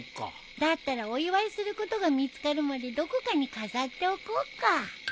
だったらお祝いすることが見つかるまでどこかに飾っておこうか。